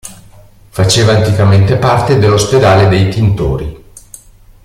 Faceva anticamente parte dello spedale dei Tintori.